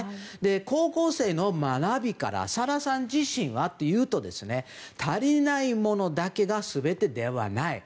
高校生の学びからサラさん自身はというと足りないものだけが全てではない。